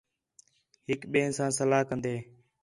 ہِک ٻئیں ساں صلاح کنیدے